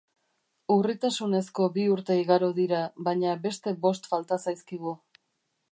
Urritasunezko bi urte igaro dira, baina beste bost falta zaizkigu.